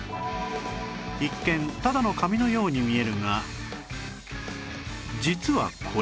一見ただの紙のように見えるが実はこれ